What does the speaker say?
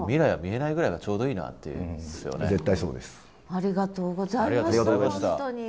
ありがとうございました本当に。